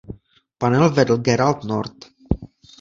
Panel vedl Gerald North.